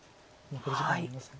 残り時間はありません。